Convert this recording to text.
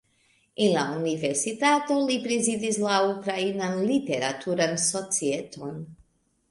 En la universitato li prezidis la Ukrainan literaturan societon.